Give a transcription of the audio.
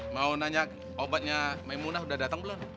mau nanya obatnya maimunah udah datang belum